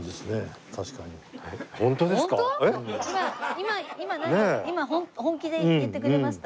今本気で言ってくれました？